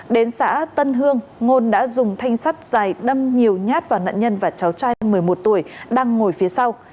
đến xã tân hương ngôn đã dùng thanh sắt dài đâm nhiều nhát vào nạn nhân và cháu trai một mươi một tuổi đang ngồi phía sau